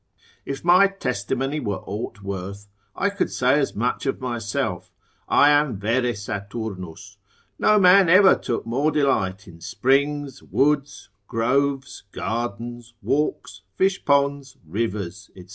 If my testimony were aught worth, I could say as much of myself; I am vere Saturnus; no man ever took more delight in springs, woods, groves, gardens, walks, fishponds, rivers, &c.